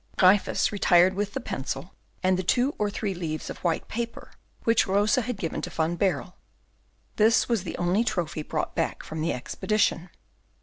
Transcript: Gryphus retired with the pencil and the two or three leaves of white paper which Rosa had given to Van Baerle, this was the only trophy brought back from the expedition.